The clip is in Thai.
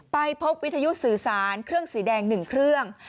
ไปพบวิทยุสื่อสารเครื่องสีแดง๑เครื่อง